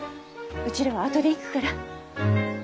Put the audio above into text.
うちらは後で行くから。